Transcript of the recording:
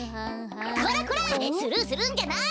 こらこらスルーするんじゃない！